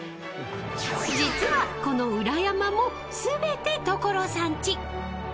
［実はこの裏山も全て所さんち］